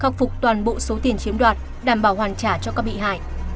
khắc phục toàn bộ số tiền chiếm đoạt đảm bảo hoàn trả cho các bị hại